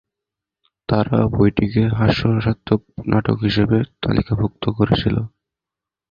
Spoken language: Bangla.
তারা বইটিকে হাস্যরসাত্মক নাটক হিসেবে তালিকাভুক্ত করেছিল।